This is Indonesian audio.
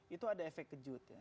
itu ada efek kejut ya